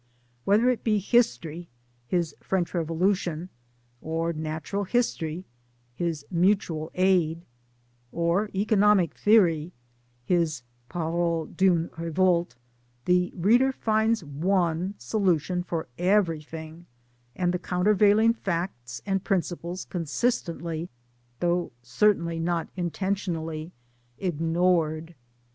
Whether it be History (his French Revolu tion), or Natural History (his Mutual Aid) or economic theory (his Paroles (Tun Revolte) the reader finds one solution for everything, and the countervailing facts and principles consistently though certainly not intentionally ignored.